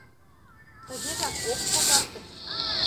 Тыгежак ок когарте.